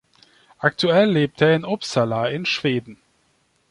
Aktuell lebt er in Uppsala in Schweden.